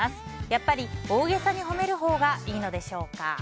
やっぱり大げさに褒めるほうがいいのでしょうか。